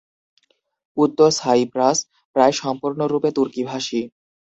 উত্তর সাইপ্রাস প্রায় সম্পূর্ণরূপে তুর্কিভাষী।